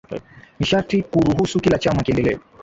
nisharti turuhusu kila chama kiendelee